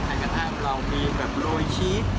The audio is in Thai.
ไข่กระทะเรามีแบบโรยชีส